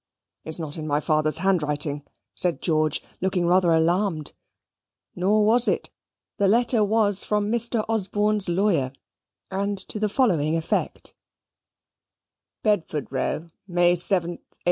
"It's not in my father's handwriting," said George, looking rather alarmed; nor was it: the letter was from Mr. Osborne's lawyer, and to the following effect: "Bedford Row, May 7, 1815.